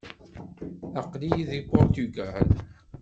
Aql-iyi deg Puṛtugal.